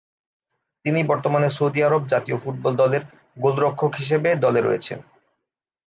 তিনি বর্তমানে সৌদি আরব জাতীয় ফুটবল দল এর গোলরক্ষক হিসেবে দলে রয়েছেন।